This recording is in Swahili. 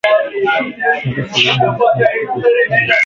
mateso Gilmore alisema katika mkutano na wanahabari